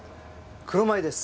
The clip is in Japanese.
黒米です。